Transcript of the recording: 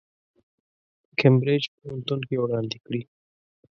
کمبریج پوهنتون کې وړاندې کړي.